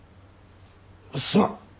すまん！